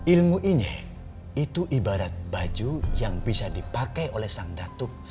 ilmu ini itu ibarat baju yang bisa dipakai oleh sang datuk